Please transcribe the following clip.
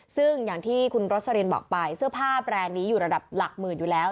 ซึ่งอย่างที่คุณโรสลินบอกไปเสื้อผ้าแบรนด์นี้อยู่ระดับหลักหมื่นอยู่แล้ว